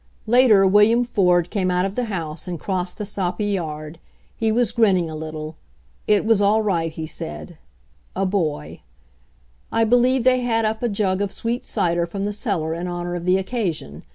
Later William Ford came out of the house and crossed the soppy yard. He was grinning A little. It was all right, he said — a boy. I believe they had up a jug of sweet cider from the cellar in honor of the occasion.